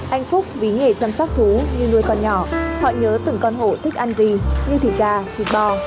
anh phúc vì nghề chăm sóc thú như nuôi con nhỏ họ nhớ từng căn hộ thích ăn gì như thịt gà thịt bò